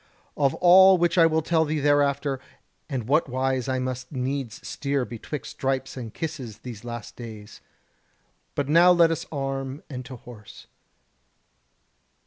Of all which I will tell thee hereafter, and what wise I must needs steer betwixt stripes and kisses these last days. But now let us arm and to horse.